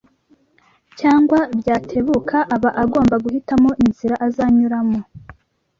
cyangwa byatebuka aba agomba guhitamo inzira azanyuramo